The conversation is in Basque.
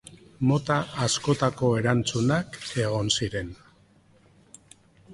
Mota askotako erantzunak egon ziren.